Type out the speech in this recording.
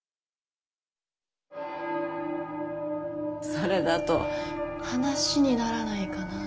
それだと話にならないかな。